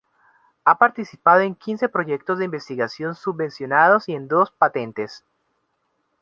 Ha participado en quince proyectos de investigación subvencionados y en dos patentes.